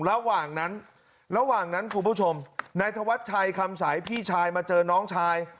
ระหว่างนั้นระหว่างนั้นคุณผู้ชมนายธวัชชัยคำสายพี่ชายมาเจอน้องชาย